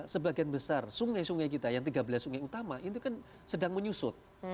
sebagian besar sungai sungai kita yang tiga belas sungai utama itu kan sedang menyusut